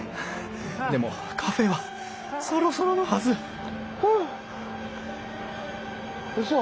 でもカフェはそろそろのはずうそ！？